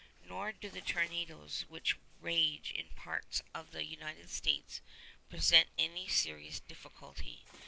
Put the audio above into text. Nor do the tornadoes which rage in parts of the United States present any serious difficulty.